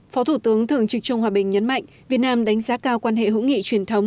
phó thủ tướng thường trực trương hòa bình nhấn mạnh việt nam đánh giá cao quan hệ hữu nghị truyền thống